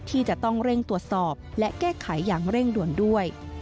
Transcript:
ที่จะต้องเร่งตรวจสอบและแก้ไขอย่างเร่งด่วนด้วย